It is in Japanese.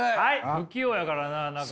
不器用やからな中岡君